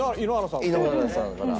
井ノ原さんから。